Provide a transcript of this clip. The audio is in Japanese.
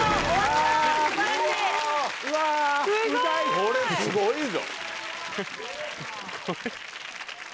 これすごいぞ！